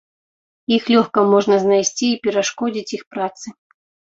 Іх лёгка можна знайсці і перашкодзіць іх працы.